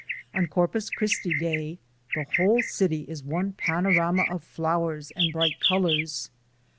On Corpus Christi day the whole city is one panorama of flowers and bright colors.